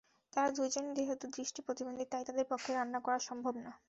তাঁরা দুজনই যেহেতু দৃষ্টিপ্রতিবন্ধী, তাই তাঁদের পক্ষে রান্না করা সম্ভব নয়।